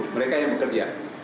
mereka yang bekerja